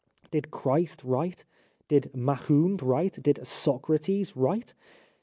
Did Christ write, did Mahound write, did Socrates write ?